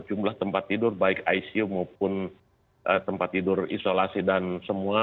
jumlah tempat tidur baik icu maupun tempat tidur isolasi dan semua